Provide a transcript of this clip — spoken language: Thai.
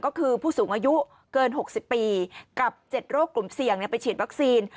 ก็คือผู้สูงอายุเกิน๖๐ปีกับ๗โรคกลุ่มเสี่ยงไปฉีดวัคซีน